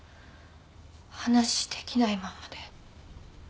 話できないまんまで。